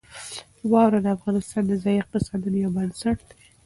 واوره د افغانستان د ځایي اقتصادونو یو بنسټ دی.